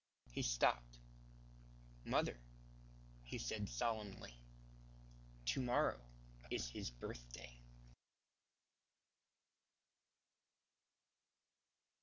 He stopped. "Mother," he said solemnly, "to morrow is His birthday."